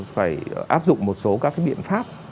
phải áp dụng một số các biện pháp